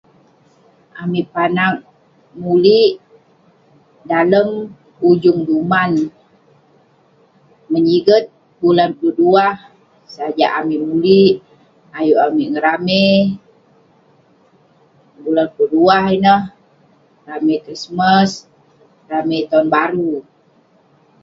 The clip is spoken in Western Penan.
Amik panag mulik dalem ujung duman. Menyiget bulan puluk duah, sajak amik mulik. Ayuk amik ngeramey bulan puluk duah ineh. Ramey krismas, ramey taun baru.